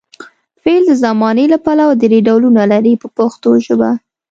فعل د زمانې له پلوه درې ډولونه لري په پښتو ژبه.